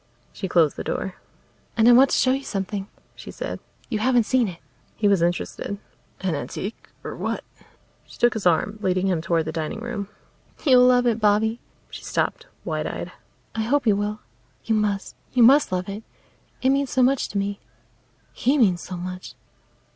She closed the door. "And I want to show you something," she said. "You haven't seen it." He was interested. "An antique? Or what?" She took his arm, leading him toward the dining room. "You'll love it, Bobby." She stopped, wide eyed. "I hope you will. You must; you must love it. It means so much to me he means so much."